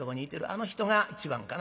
あの人が１番かな。